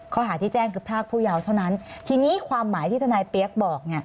ข้อหาที่แจ้งคือพรากผู้ยาวเท่านั้นทีนี้ความหมายที่ทนายเปี๊ยกบอก